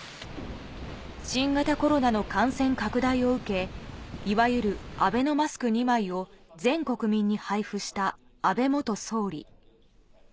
新型コロナの感染拡大を受け、いわゆるアベノマスク２枚を全国民に配布した安倍元総理。